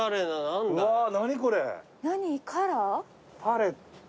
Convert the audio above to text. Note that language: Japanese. パレット。